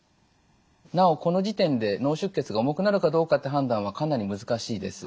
なおこの時点で脳出血が重くなるかどうかって判断はかなり難しいです。